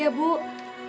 saya butuh sekali